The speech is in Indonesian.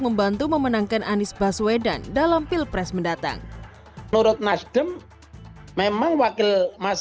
membantu memenangkan anies baswedan dalam pilpres mendatang menurut nasdem memang wakil mas